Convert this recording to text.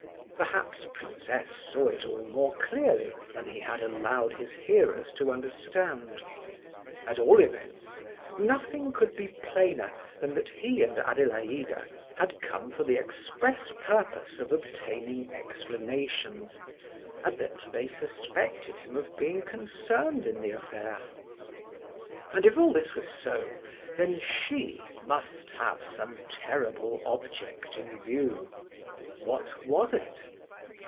Perhaps Prince S. saw it all more clearly than he had allowed his hearers to understand. At all events, nothing could be plainer than that he and Adelaida had come for the express purpose of obtaining explanations, and that they suspected him of being concerned in the affair. And if all this were so, then she must have some terrible object in view! What was it?